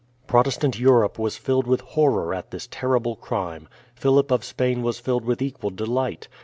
Protestant Europe was filled with horror at this terrible crime. Philip of Spain was filled with equal delight.